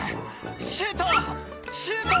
シュート！